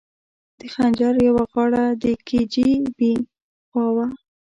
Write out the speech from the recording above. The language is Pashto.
د خنجر یوه غاړه د کي جي بي خوا وه.